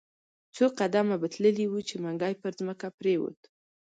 څو قدمه به تللی وو، چې منګی پر مځکه پریووت.